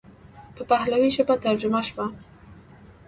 په پهلوي ژبه ترجمه شوه.